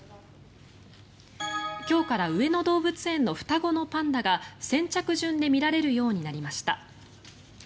今日から上野動物園の双子のパンダが先着順で見られるようになりました。